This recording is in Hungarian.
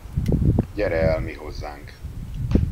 Gyere el mihozzánk!